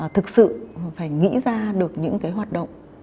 thực sự phải nghĩ ra được những cái hoạt động